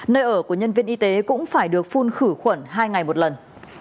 nơi ở của nhân viên y tế cũng phải được phun khử khuẩn hai ngày một lần